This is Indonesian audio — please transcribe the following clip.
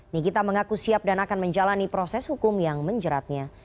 nikita mengaku siap dan akan menjalani proses hukum yang menjeratnya